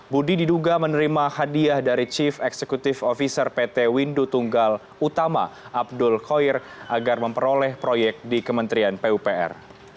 budi diduga menerima hadiah dari chief executive officer pt windu tunggal utama abdul khoir agar memperoleh proyek di kementerian pupr